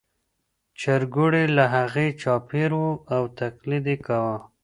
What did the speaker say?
چرګوړي له هغې چاپېر وو او تقلید یې کاوه.